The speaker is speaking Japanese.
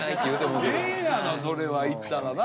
ええがなそれは行ったらな。